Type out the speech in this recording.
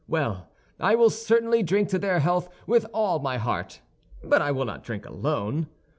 Well, I will certainly drink to their health with all my heart, but I will not drink alone."